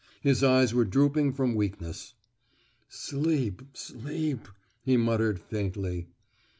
His eyes were drooping from weakness. "Sleep—sleep," he muttered faintly.